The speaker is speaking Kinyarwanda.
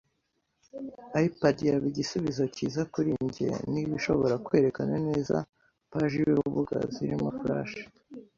iPad yaba igisubizo cyiza kuri njye niba ishobora kwerekana neza paji zurubuga zirimo Flash.